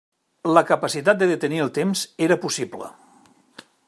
La capacitat de detenir el temps era possible.